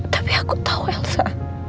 tapi aku tahu elsa